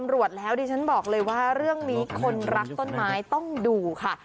ตำรวจแล้วดิฉันบอกเลยว่าเรื่องนี้คนรักต้นไม้ต้องดูค่ะ